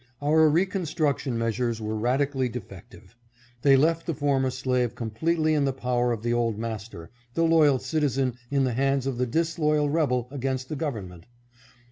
Our reconstruction measures were radically defective. They left the former slave completely in the power of the old master, the loyal citizen in the hands of the disloyal rebel against the government.